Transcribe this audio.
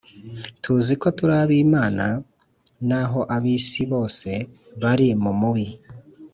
Tuzi ko turi ab’Imana, naho ab’isi bose bari mu Mubi.